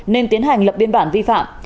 nên tiến hành lập biên bản vi phạm